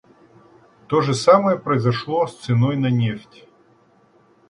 То же самое произошло с ценой на нефть.